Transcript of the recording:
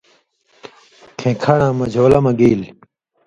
کھیں کھڑاں مجھولہ مہ گیلیۡ